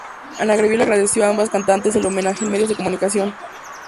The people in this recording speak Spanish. Ana Gabriel agradeció a ambas cantantes el homenaje en medios de comunicación.